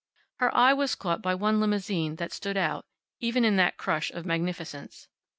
Her eye was caught by one limousine that stood out, even in that crush of magnificence.